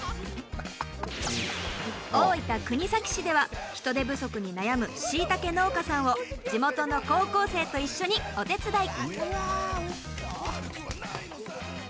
大分・国東市では人手不足に悩むしいたけ農家さんを地元の高校生と一緒にお手伝い。